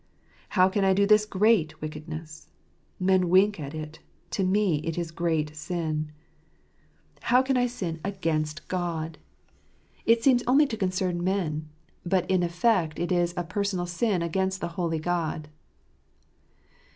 "How can I do this great wickedness?" Many wink at it ; to me it is a great sin. " How can I sin against God ?" "'Shi Jloutljfnl $usts.' 4 * It seems only to concern men ; but in effect it is a personal sin against the holy God.